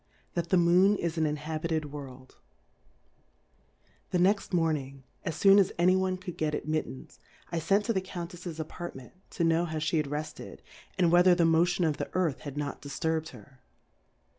That the Moon is a?i Inhabited World, ^.M,&& H E next Morning, as foon as S T C anyone could get admittance, "^'•^^"si'k I fenttotheCoimtefs'sAppart ment, tO know how fhe had refted, andwhether the Motion of the Earth had not di[1:urbM her